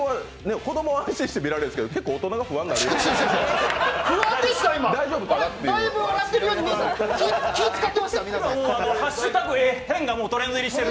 子供は安心して見られるんですけど、結構、大人が不安になる。